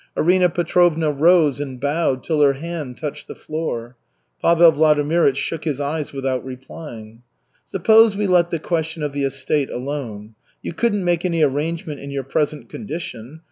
Arina Petrovna rose and bowed till her hand touched the floor. Pavel Vladimirych shut his eyes without replying. "Suppose we let the question of the estate alone. You couldn't make any arrangement in your present condition.